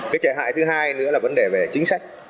cái trẻ hại thứ hai nữa là vấn đề về chính sách